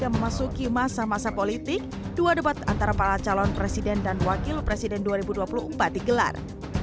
memasuki masa masa politik dua debat antara para calon presiden dan wakil presiden dua ribu dua puluh empat digelar